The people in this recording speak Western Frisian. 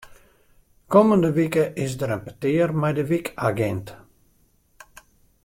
Kommende wike is der in petear mei de wykagint.